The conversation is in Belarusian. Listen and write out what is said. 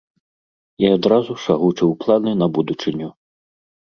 І адразу ж агучыў планы на будучыню.